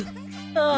ああ